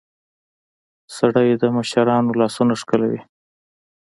سړى د مشرانو لاسونه ښکلوي.